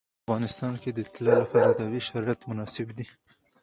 په افغانستان کې د طلا لپاره طبیعي شرایط مناسب دي.